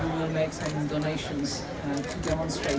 dan akan membuat beberapa donasi untuk menunjukkannya